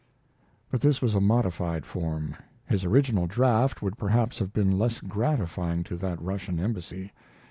But this was a modified form. His original draft would perhaps have been less gratifying to that Russian embassy.